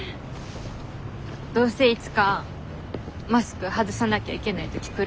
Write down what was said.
どうせいつかマスク外さなきゃいけない時来るのに。